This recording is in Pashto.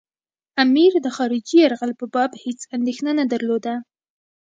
امیر د خارجي یرغل په باب هېڅ اندېښنه نه درلوده.